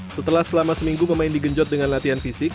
setelah selama seminggu pemain digenjot dengan latihan fisik